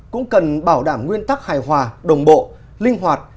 cũng cần bảo đảm nguyên tắc hài hòa đồng bộ linh hoạt